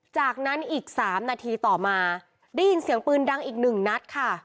จากนั้นอีก๓นาทีต่อมาได้ยินเสียงปืนดังอีกหนึ่งนัดค่ะ